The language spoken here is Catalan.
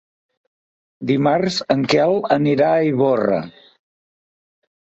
Dimarts en Quel irà a Ivorra.